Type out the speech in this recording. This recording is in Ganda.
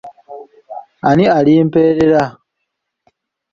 Ani alimperera?